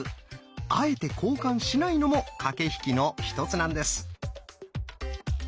あえて交換しないのも駆け引きの一つなんです。